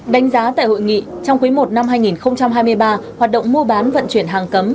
đánh giá tại hội nghị trong quý i năm hai nghìn hai mươi ba hoạt động mua bán vận chuyển hàng cấm